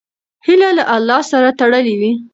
هیله له الله سره تړلې وي.